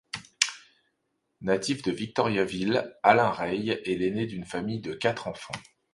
Natif de Victoriaville, Alain Rayes est l’aîné d’une famille de quatre enfants.